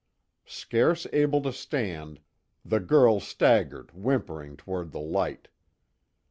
Scarce able to stand, the girl staggered whimpering toward the light.